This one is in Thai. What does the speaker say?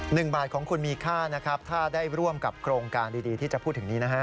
หนึ่งบาทของคุณมีค่านะครับถ้าได้ร่วมกับโครงการดีดีที่จะพูดถึงนี้นะฮะ